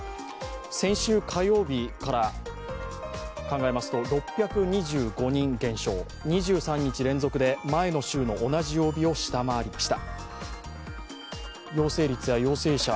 先週火曜日から考えますと６２５人減少、２３日連続で前の週の同じ曜日を下回りました。